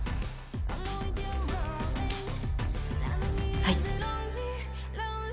はい。